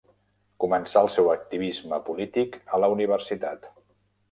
Començà el seu activisme polític a la universitat.